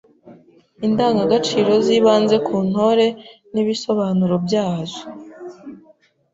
Indangagaciro z’ibanze ku Ntore n’ibisobanuro byazo